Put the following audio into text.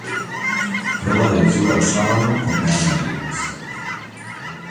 Proba de altura o sábado co Real Madrid.